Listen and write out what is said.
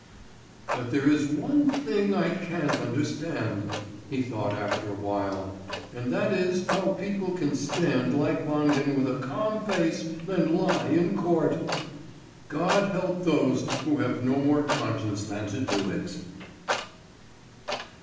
"But there is one thing I can't understand," he thought after a while, "and that is how people can stand like Wangen with a calm face and lie in court. God help those who have no more conscience than to do it!"